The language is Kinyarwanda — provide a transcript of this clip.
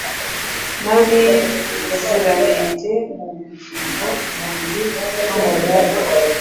b’abaziranenge, mu bugingo, umubiri, no mu mwuka.